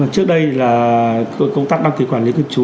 trước đây là công tác đăng ký quản lý cư trú